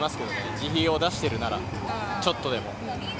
自費を出しているならちょっとでも。